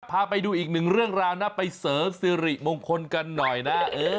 พาไปดูอีกหนึ่งเรื่องราวนะไปเสริมสิริมงคลกันหน่อยนะ